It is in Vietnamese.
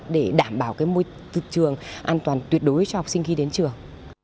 để đảm bảo môi trường an toàn tuyệt đối cho học sinh khi đến trường